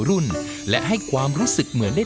โขแล้วได้เรื่องเลย